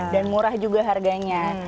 dan murah juga harganya